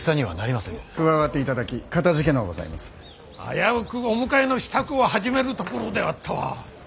危うくお迎えの支度を始めるところであったわ。